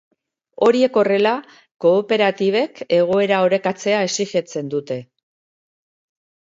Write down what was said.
Horiek horrela, kooperatibek egoera orekatzea exijitzen dute.